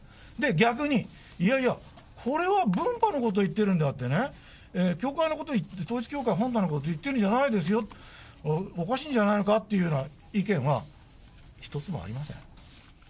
逆に、いやいや、これは分派のことを言っているんであってね、教会のこと、統一教会本体のことを言っているんじゃないですよ、おかしいんじゃないのかという意見は一つもありません。